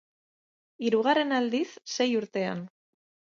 Hirugarren aldiz sei urtean.